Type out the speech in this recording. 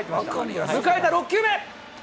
迎えた６球目。